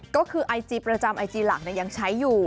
ก็คือไอจีประจำไอจีหลักยังใช้อยู่